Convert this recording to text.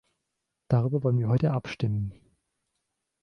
Darüber wollen wir heute abstimmen.